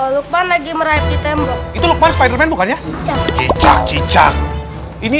lupa lagi merayap di tembok itu lupa spiderman bukannya cicak cicak ini